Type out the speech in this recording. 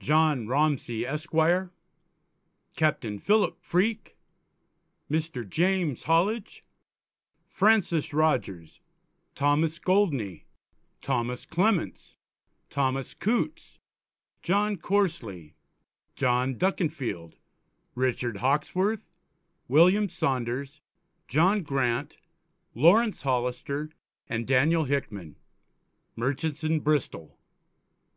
_, John Romsey Esq.; Capt. Philip Freake, Mr. James Hollidge, Francis Rogers, Thomas Goldney, Thomas Clements, Thomas Coutes, John Corsely, John Duckinfield, Richard Hawksworth, William Saunders, John Grant, Laurence Hollister, and Daniel Hickman, Merchants in Bristol.